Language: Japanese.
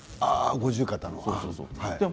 五十肩の。